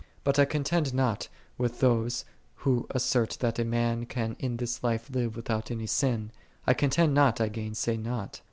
51. But I contend not with those, who as sert that a man can in this life live without any sin: I contend not, I gainsay not.